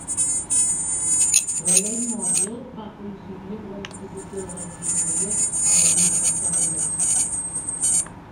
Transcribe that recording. La Llei Morrill va coincidir amb la institució de l'enginyeria a la universitat americana.